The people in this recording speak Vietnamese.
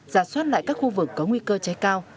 giả soát lại các khu vực có nguy cơ cháy cao